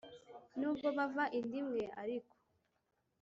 nubwo bava inda imwe ariko,